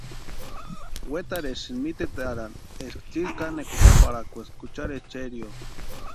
Wetarhesïnti mítetarani eska tsiri kanekwa jukaparhakweska juchari echerio.